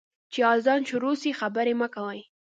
چي اذان شروع سي، خبري مه کوئ.